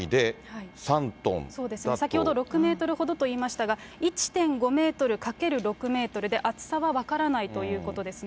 そうですね、先ほど６メートルほどといいましたが、１．５メートル×６メートルで、厚さは分からないということですね。